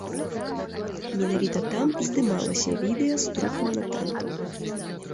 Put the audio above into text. Менавіта там і здымалася відэа з трукам на танках.